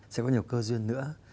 sẽ có nhiều cơ duyên nữa